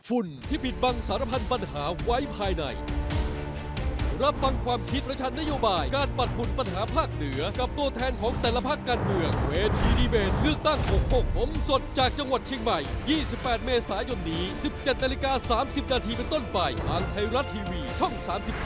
ตอนนี้๑๗นาฬิกา๓๐นาทีเป็นต้นไปทางไทยรัตน์ทีวีช่อง๓๒